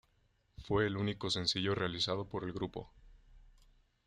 Fue el único sencillo realizado por el grupo.